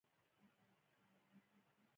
تاریخ د افغانستان د اقتصادي ودې لپاره ارزښت لري.